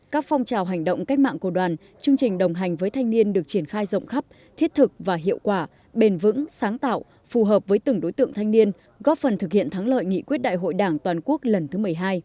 các phong trào hành động cách mạng của đoàn chương trình đồng hành với thanh niên được triển khai rộng khắp thiết thực và hiệu quả bền vững sáng tạo phù hợp với từng đối tượng thanh niên góp phần thực hiện thắng lợi nghị quyết đại hội đảng toàn quốc lần thứ một mươi hai